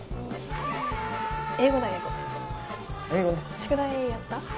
宿題やった？